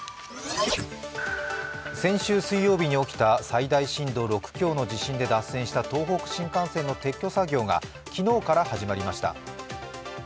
先週水曜日に起きた最大震度６強の地震で脱線した東北新幹線の撤去作業が昨日から始まりました。